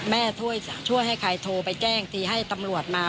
แม่ช่วยให้ใครโทรไปแจ้งทีให้ตำรวจมา